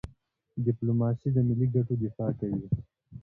ډيپلوماسي د ملي ګټو دفاع کوي.